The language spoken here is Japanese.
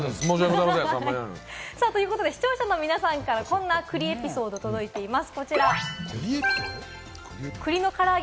視聴者の皆さんからこんな栗エピソードが届いています。